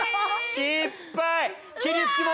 失敗！